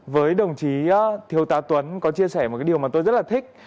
với đồng chí thiếu tá tuấn có chia sẻ một cái điều mà tôi rất là thích